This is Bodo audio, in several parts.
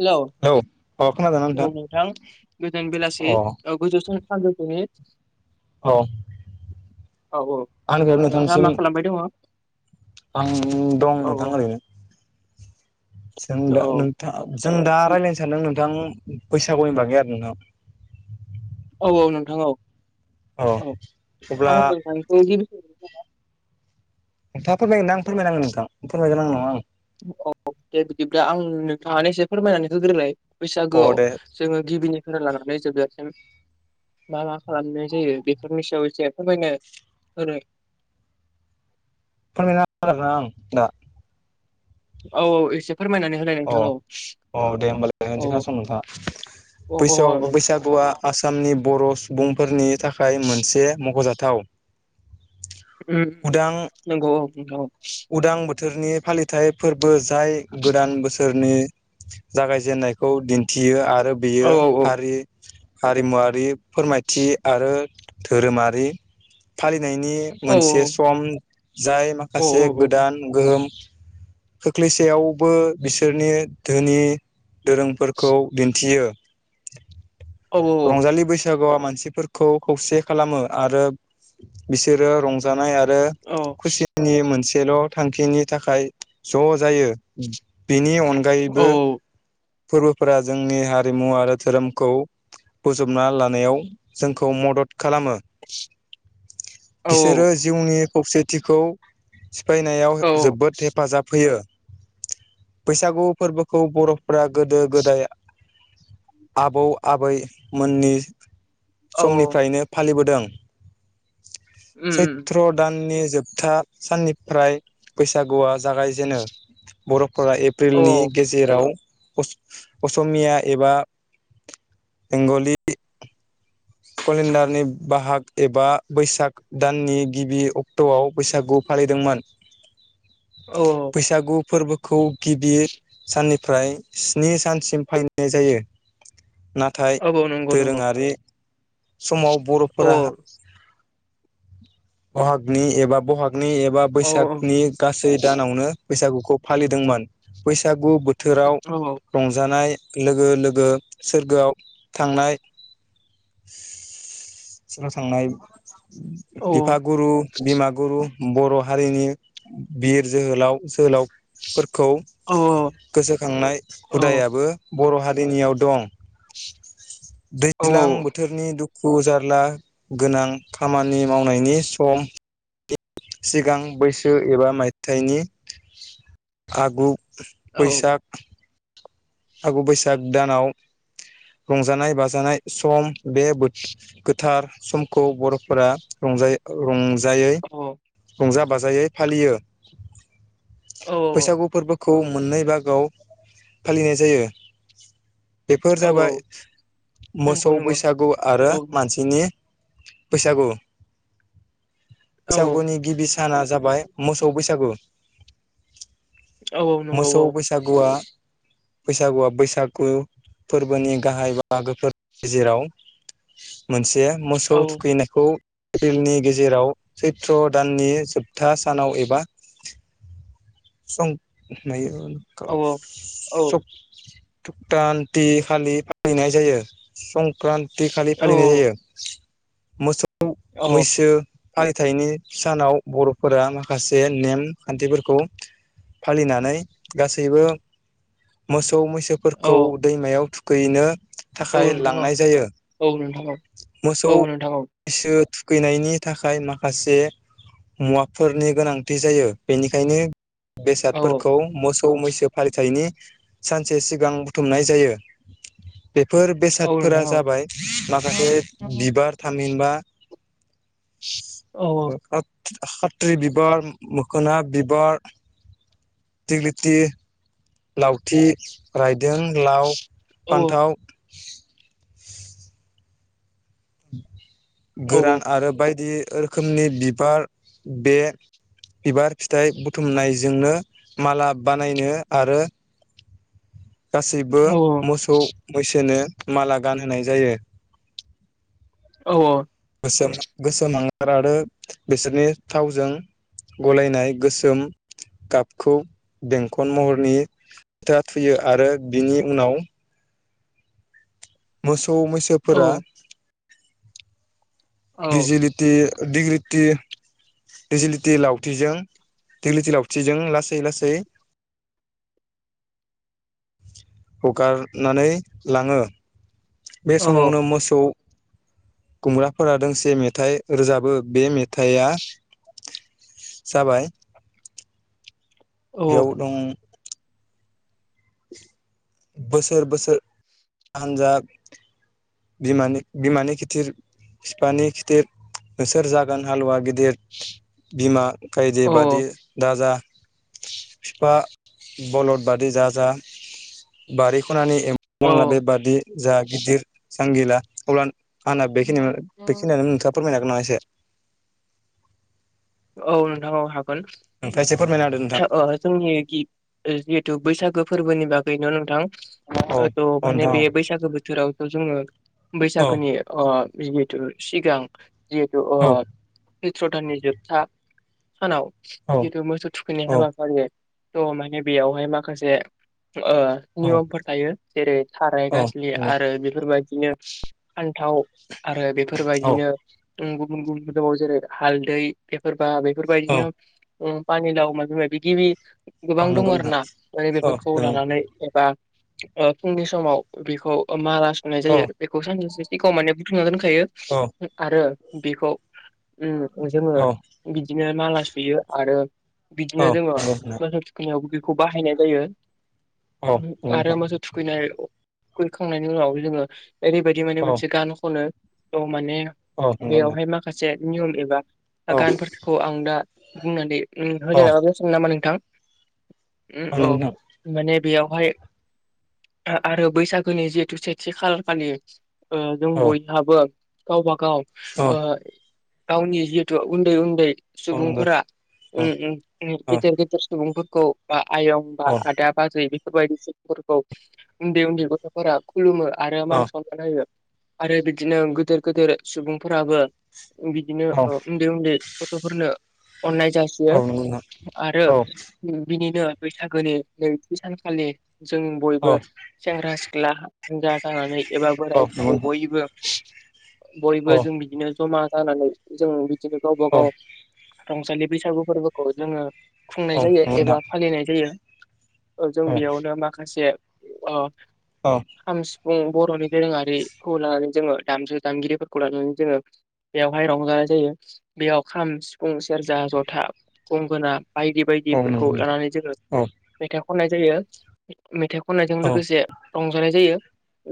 हेल' अ खोनादों ना औ नोंथां गोजोन अ बेलासि ओ गोजोन सानजौफोनि औ औ औ आंनिफ्रायबो नोंथाङा नोंथांनिसिम मा खालामबाय दङ औ आं दं औ नोंथां ओरैनो जों दा औ नोंथां जों दा रायलायनो सानदों नोंथां बैसागुनि बागै आरो नोंनाव औ औ नोंथां औ औ अब्ला आं नोंथांनिखौे नोंथाङा फोरमायगोनना आं फोरमायनांगो नोंथां [unintelligible] औ दे बिदिब्ला आं नोंथाङानो एसे फोरमायनानै होग्रोलाय अ बैसागोआव दे जोङो गिबिनिखौनो लानानै जोबजासिम मा मा खालामनाय जायो बेफोरनि सायाव एसे फोरमायनो होनो [unintelligible] आं दा औ औ एसे फोरमायनानै होलाय नोंथां अह औ अह दे होमबालाय औ खोनासं नोंथाङा औ औ बैसाग औ बैसागुआ आस आसामनि बर' सुबुंफोरनि थाखाय मोनसे मख'जाथाव ओम उदां नोंगौ औ उदां बोथोरनि फालिथाइ फोरबो जाय गोदान बोथ रनि जागायजेनन्नायखौ दिन्थियो आरो औ बियो औ हारि हारिमुवारि फोरमायथि आरो धोरोमारि फालि फैनायनि औ मोनसे सम जाय औ माखासे गोदान गोहोम खोख्लैसेयावबो बिसोरनि धोनि दोरोंफोरखौ दिन्थियो औ रंजालि बैस सागुआ मानसिफोरखौ खौसे खालामो आरो बिसोरो रंजानाय आरो औ आरो खुसिनि मोनसेल' थांखिनि थाखाय ज' जायो बिनि अनगायैबो औ फोरबोफोरा जोंनि हारिमु आरो धोरोमखौ बोजबना लानायाव जोंखौ मदद खालामो औ बिसोरो जिउनि खौसेथिखौ सिफायनायाव औ जोबोद हेफाजाब होयो बैसागु फोरबोखौ बर'फ्रा गोदो गोदाय आबौ आबैमोननि औ समनिफ्रायनो फालिबोदों उम उम सैत्र दाननि जोबथा साननिफ्राय बैसागुआ जागायजेनो बर फोरा औ एप्रिलनि गेजेराव अस असमिया एबा बेंगलि केलेन्डारनि बाहाग एबा बैसाग दाननि गिबि अक्ट'आव बैसागु फालिदोंमोन औ बैसागु फोरबो खौ गिबि साननिफ्राय स्निनि सानसिम फालिनाय जायो नाथाय औ औ नंगौ नंगौ दोरोङारि समाव औ बर'फोरा बहागनि एबा बहाग गनि एबा औ बैसागनि गासै दानावनो बैसागुखौ फालिदोंमोन बैसागु गु बोथोराव औ रंजानाय लोगो लोगो सोरगोआव थांनाय [unintelligible] थांनाय औ बिफा गुरु बिमा गुरु बर' हारिनि बिर जोहोलाव जोहोलाव फोर खौ औ गोसोखांनाय औ हुदायाबो बर' हारिनियाव दं औ दैज्लां बो दुखु जारला गोनां खामानि मावनायनि सम सिगां बैसो एबा मायथाइनि आगु बैसाग आगु बैसाग दानाव रंजानाय बाजानाय सम बे बो गोथार समखौ बर'फोरा रंजायो रंज जायै रंजा बाजायै फालियो औ बैसागु फोरबो खौ मोननै बागाव फालिनाय जायो। बेफोर औ जाबाय नंगौ मोसौ नंगौ बैसागु आरो औ मानसिनि बैसागु औ बैसागुनि गिबि साना जाबाय मोसौ बैसागु औ नंगौ औ मोसौ बैसागुआ बैसागुआ बैसागु फोरबोनि गाहाय बाहागोफोर गेजेराव मोनसे औ मोसौ थुखैनायखौ एप्रिलनि गेजेराव सैत्र दाननि जोबथा सानाव एबा सं नायो। [unintelligible] औ संक्रान्ति खालि औ औ फालिनाय जायो मोसौ मैसो फालिथायनि सानाव बर'फोरा माखासे नेम खान्थिफोरखौ फालिनानै गासैबो मोस औ मैसोफोरखौ दैमायाव थुखैनो औ फाय नोंथां लांनाय जायो औ नोंथां औ मोसौ औ नोंथां औ सो खैनायनि थाखाय माखासे मुवाफोरनि गोनांथि जायो बेनिखायनो औ बेसादफोरखौ मोस मैसो फालिथायनि सानसे सिगां बुथुमनाय जायो। फोर औ बेसादफोरा नोंथां औ जाबाय माखासे बिबार थामहिनबा औ [unintelligible] खाथ्रि बिबार मोखोना बिबार थिग्लि थि लावथि राय जों लाव औ फान्थाव गोरान आरो बायदि रोखोमनि बिबार बे बिबार फिथाइ बुथुमनायजोंनो माला बानायनो आरो। [inaudible] औ गासैबो मोसौ मैसोनो माला गानहोनाय जायो। [unintelligible] गलायनाय गोसोम गाबखौ बेंखन महरनि था थुयो आरो बिनि उनाव मोसौ मैसोफोरा दिजिलिटि दिगरिटि दैजिलिटि लावथिजों दैलिटि लावथिजों लासै लासै [unintelligible] हगारनानै लाङो बे समावनो मोसौ खुमब्राफोरा दोंसे मेथाइ रोजाबो बे मेथाइआ जाबाय। औ औ बेयाव दं। बोसोर बोसोर हानजा। बिमानि बिमानि खिथिर फिफानि खिथिर। नोंसोर जागोन हालुवा गिदिर बिमा गायदे औ बादि दाजा। फिफा बलद बादि जा जा बारि। खनानि एम्बु औ बंला बेबादि जा गिदिर जांगिला अब्ला आंना बेखिनियाव बेखिनियावनो नोंथाङा फोरमायनो हागोन नामा एसे। औ नोंथां औ हा गोन नोंथाङा एसे फोरमायना होदो नोंथां ओ जोंनि गि जिथु बैसागो। फोरबोनि बागैनो नोंथां। औ ओ थ' औ माने बे नोंथां औ बैसागो बोथोरावथ' जोङो बैसागोनि अ जिहेतु सिगां जिहेथु अ औ सैत्र दाननि जोब था सानाव जितु मोसौ थुखैनाय हाबाफारि थ' माने बेयावहाय माखासे ओ नियमफोर थायो जेरै थाराय औ गाज्लि नंगौ आरो बेफोरबायदिनो फान्थाव आरो बेफोरबायदिनो गुबुन गुबुन दं जेरै हालदै बेफोर बा बेफोरबायदिनो पानि लाव मायबा मायबि गिबि गोबां दं आरो ना। ओमफाय औ बेफोरखौ नंगौ नोंथां लानानै एबा ओ फुंनि समाव बेखौ माला सुनाय औ नंगौ जायो बेखौ सानसेसो सिगाङाव माने बुथुमना दोनखा औ थायो आरो बेखौ उम जोङो औ बिदिनो माला सुयो आरो औ बिदिनो जोङो नंगौ नोंथां मोसौ थुखैनायावबो बे खौ बाहायनाय जायो औ नंगौ आरो नोंथां मोसौ थुखैनाय थुखैखांनायनि उनाव जोङो ओरैबायदि औ माने मोनसे गान खनो। थ' माने नंगौ नोंथां बेयावहाय माखासे नियम एबा औ औ गानफोरखौ आं दा बुंनानै होलायालाबाबो जासिगोन नामा नोंथां? उम औ नंगौ नोंथां माने बेयावहाय आरो बैसागोनि जिहेथु सेथि खालार खालि ओ जों औ बयहाबो गावबा गाव औ ओ गावनि जि उन्दै उन्दै औ नंगौ सुबुंफोरा औ उम उम गेदेर औ गेदेर सुबुंफोरखौ बा आयं बा औ आदा बाजै बेफोरबायदि सुबुंफोरखौ उन्दै उन्दै गथ'फोरा खुलुमो। आरो मान सनमान होयो आरो बिदिनो गोदोर गोदोर सुबुंफोराबो बि ओ उन्दै उन्दै गथ'फोरनो अननाय औ जासियो नंगौ नोंथां आरो औ नंगौ नोंथां औ बिनिनो बैसागोनि नैथि सानखालि जों बयबो सेंग्रा सिख्ला हान्जा जानानै एबा औ बोराय बुरै बयबो बयबो जों बिदिनो जमा जानानै जों बिदिनो गावबा गाव रंजालि बैसागु फोरबोखौ जोङो खुंनाय औ नंगौ नोंथां औ जायो नंगौ नोंथां एबा फालिनाय जायो। ओ जों औ औ बेयावनो माखासे ओ औ नोंथां औ खाम सिफुं बर'नि दोरोङारिखौ लानानै जोङो दामजु दामगिरिफोरखौ लानानै जोङो बेयावहाय रं जानाय जायो बेयाव खाम सिफुं सेरजा जथा गंगोना बायदि नोंथां औ बायदिफोरखौ नोंथां औ नोंथां औ नोंथां औ नोंथां औ नोंथां औ नोंथां लानानै जोङो मेथाइ खननाय जायो। मेथाइ खननायजों लोगोसे रंजानाय जायो।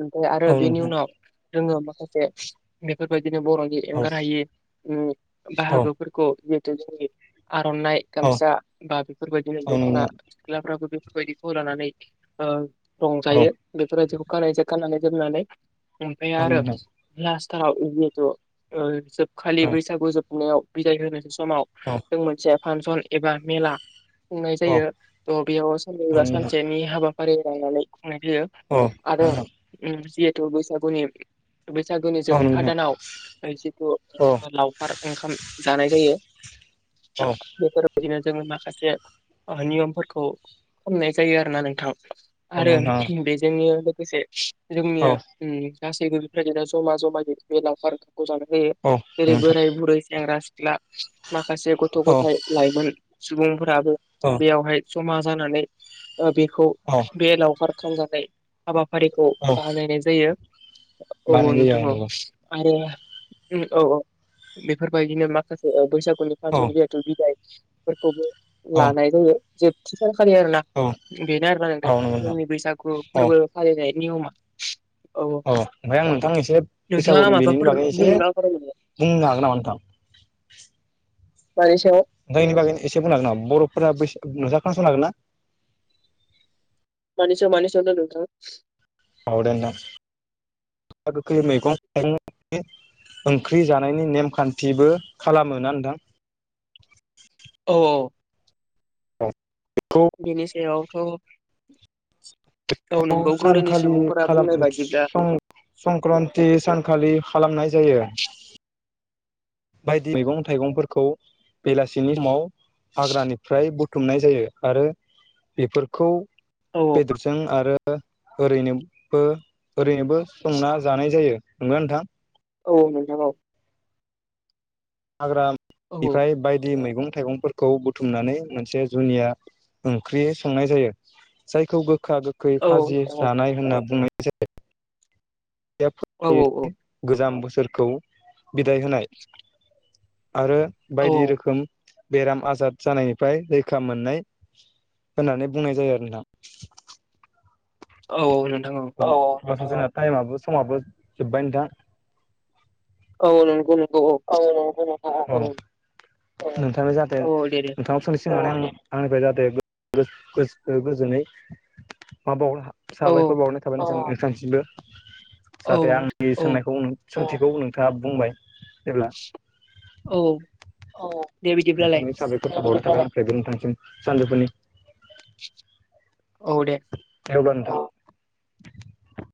ओमफ्राय आरो बेनि उनाव जोङो माखासे बेफोरबायदिनो बर'नि एंगार हायि उम बाहागोफोरखौ जिहेतु जोंनि आर'नाइ गामसा बा बेफोरबायदिनो दख'ना सिख्लाफ्राबो बे बेफोरबायदिखौ लानानै ओ रंजायो बेफोरबायदिखौ खानायसे खानानै जोमनानै ओमफ्राय आरो लास्टथाराव जिहेतु ओ जोबखालि बैसागु जोबनायाव बिदाय होनोसै समाव जों मोनसे फांसन एबा मेला खुंनाय जायो। थ' बेयाव साननैबा सानसेनि हाबाफारि लानानै खुंनाय जायो आरो उम जिहेथु बैसागुनि बैसागोनि जोबथा दानाव जिथु लावखार ओंखाम जानाय जायो बेफोर बिदिनो जोङो माखासे आ नियमफोरखौ खामनाय जायो आरोना नोंथां। आरो बेजोंनो लोगोसे जोंनि ओम गासैबो बिफोरबादिनो जमा जमा ज बे लावखारखौ जानो होयो जेरै बोराय बुरै सेंग्रा सि ख्ला माखासे गथ' गथायाइ लाइमोन सुबुंफोरा बो औ बैयावहाय जमा जानानै ओ बेखौ औ औ बे लावखार खालामजानाय हाबा फारिखौ औ बाहायनायनाय जायो। औ बानायनाय नोंथां जायो औ। नंगौ आरो औ औ। बेफोरबायदिनो माखासे ओ बैसागुनि फांसन जिहेथु बिदायफोरखौबो औ लानाय जायो जोबथि फालियो आरोना बेनो आरोना नोंथां औ नंगौ जोंनि बैसागु औ फोरबो फालिनाय नियमा औ अ ओमफाय आं नोंथां एसे नोंथाङा बैसागुनि बेनिनो माबाफोर बागै एसे बुंनो बुंनो हागोन नामा नोंथां मानि सायाव नोंथाङा इनि बागैनो एसे बुंनो हागोन नामा बर'फोरा बैसा नोंथाङा खोनासंनो हागोन ना मानि सायाव मानि सायाव होनदों नोंथां औ दे नोंथां गोखा गोखै मैगं [unintelligible] ओंख्रि जानायनि नेमखान्थिबो खालामोना नोंथां? औ औ औ बेनि सायावथ' औ नोंगौ [unintelligible] गोदोनि सानखालि सुबुंफोरा खालाम बुंनाय [unintelligible] बायदिब्ला सं-संक्रान्ति सानखालि खालामनाय जायो बायदि मैगं थाइगंफोरखौ बेलासिनि समाव हाग्रानिफ्राय बुथुमनाय जायो आरो बेफोरखौ औ बेदरजों आरो ओरैनोबो-ओरैनोबो संना जानाय जायो नंगोना नोंथां औ नोंथां औ। औ हाग्रानिफ्राय बायदि मैगं थाइगं फोरखौ बुथुमनानै मोनसे जुनिया ओंख्रि संनाय जायो जायखौ गो खा गोखै औ खाजि नोंथां औ जानाय होनना बुंनाय जायो। औ [unintelligible] गोजाम बोसोरखौ बिदाय होनाय। आरो औ बायदि रोखोम बेराम आजार जानायनिफ्राय रैखा मोननाय। होननानै बुंनाय जायो आरो नोंथां। औ औ नोंथां औ। [unintelligible] जोंना टाइमाबो समाबो जोबबाय नोंथां औ नंगौ नों औ [unintelligible] औ नोंथांनि जाहाथे औ दे दे नोंथाङा [unintelligible] [unintelligible] आंनिफ्राय जाहाथे [unintelligible] गोजोनै माबाहरनो औ साबायखर बावहरनाय थाबाय [unintelligible] नोंथांनिसिमबो औ जाहाथे आंनि औ सोंनायखौ सोंथिखौ नोंथाङा बुंबाय जेब्ला औ औ दे बिदिब्लालाय नोंथांनि [unintelligible] गोजोनथोंसै सानजौफुनि। औ दे। दे‌ अब्ला नोंथां